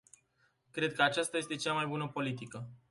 Cred că aceasta este cea mai bună politică.